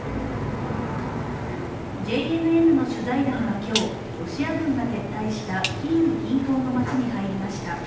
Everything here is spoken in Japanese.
ＪＮＮの取材団は今日、ロシア軍が撤退したキーウ近郊の街に入りました。